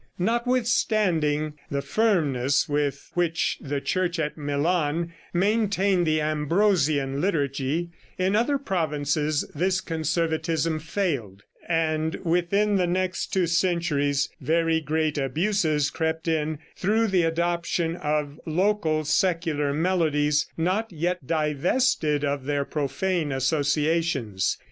Notwithstanding the firmness with which the Church at Milan maintained the Ambrosian liturgy, in other provinces this conservatism failed; and within the next two centuries very great abuses crept in through the adoption of local secular melodies not yet divested of their profane associations.